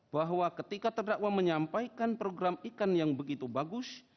bahwa ketika terdakwa menyampaikan program ikan yang begitu bagus